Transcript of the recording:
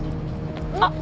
あっ！